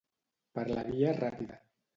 Per la via ràpida.